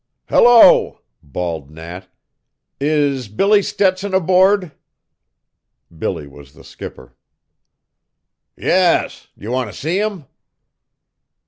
"Hello!" bawled Nat. "Is Billy Stetson aboard?" Billy was the skipper. "Yas; d'ye want to see him?"